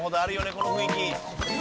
この雰囲気。